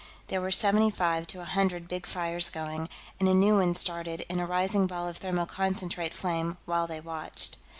There were seventy five to a hundred big fires going, and a new one started in a rising ball of thermoconcentrate flame while they watched.